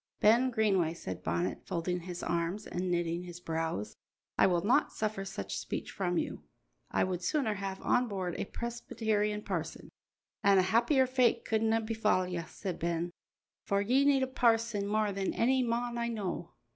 "Ben Greenway," said Bonnet, folding his arms and knitting his brows, "I will not suffer such speech from you. I would sooner have on board a Presbyterian parson." "An' a happier fate couldna befall ye," said Ben, "for ye need a parson mair than ony mon I know."